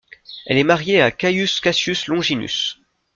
Elle est mariée à Caius Cassius Longinus.